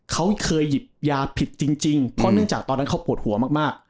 เขาเคยหยิบยาผิดจริงเพราะเนื่องจากตอนนั้นเขาปวดหัวมาก